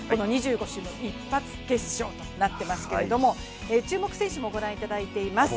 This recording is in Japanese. ２５周の一発決勝となっていますけれども注目選手も御覧いただいています。